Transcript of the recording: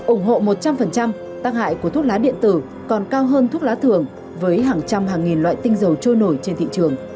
ủng hộ một trăm linh tác hại của thuốc lá điện tử còn cao hơn thuốc lá thường với hàng trăm hàng nghìn loại tinh dầu trôi nổi trên thị trường